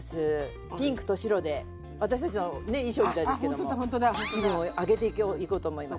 ピンクと白で私たちのね衣装みたいですけども気分をアゲていこうと思います。